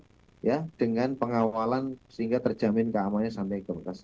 berangkat ya dengan pengawalan sehingga terjamin keamannya sampai kemas